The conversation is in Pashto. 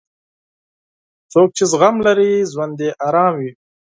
څوک چې زغم لري، ژوند یې ارام وي.